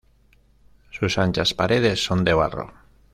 Sus anchas paredes son de barro.